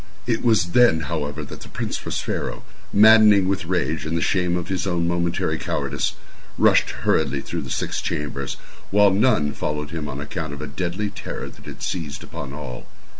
It was then, however, that the Prince Prospero, maddening with rage and the shame of his own momentary cowardice, rushed hurriedly through the six chambers, while none followed him on account of a deadly terror that had seized upon all.